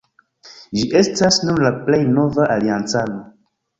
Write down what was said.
Ĝi estas nun la plej nova aliancano.